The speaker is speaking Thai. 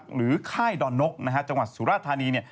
หรือค่ายดอนนกจังหวัดสุราษฎร์ธานี